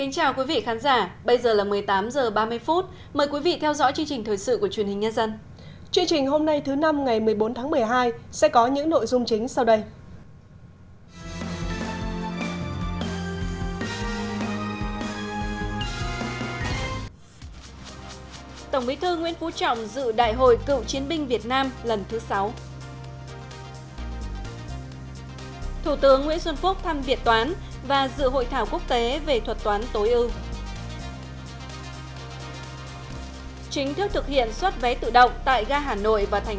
chương trình hôm nay thứ năm ngày một mươi bốn tháng một mươi hai sẽ có những nội dung chính sau đây